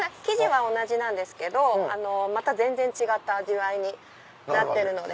生地は同じなんですけど全然違った味わいになってる。